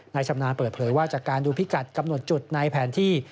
ชำนาญเปิดเผยว่าจากการดูพิกัดกำหนดจุดในแผนที่